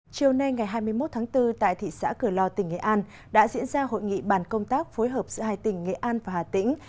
chiều nay ngày hai mươi một tháng bốn tại thị xã cửa lò tỉnh nghệ an đã diễn ra hội nghị bàn công tác phối hợp giữa hai tỉnh nghệ an và hà tĩnh